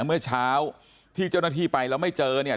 เมื่อเช้าที่เจ้าหน้าที่ไปแล้วไม่เจอเนี่ย